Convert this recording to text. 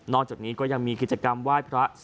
จากนี้ก็ยังมีกิจกรรมไหว้พระ